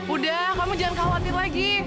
udah kamu jangan khawatir lagi